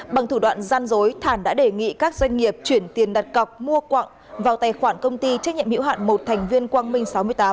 bằng thủ đoạn gian dối thản đã đề nghị các doanh nghiệp chuyển tiền đặt cọc mua quặng vào tài khoản công ty trách nhiệm hiểu hạn một thành viên quang minh sáu mươi tám